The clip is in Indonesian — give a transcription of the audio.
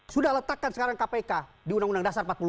sudah letakkan sekarang kpk di undang undang dasar empat puluh lima